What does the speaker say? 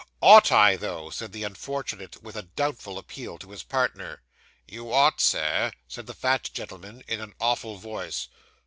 'Ought I, though?' said the unfortunate, with a doubtful appeal to his partner. 'You ought, Sir,' said the fat gentleman, in an awful voice.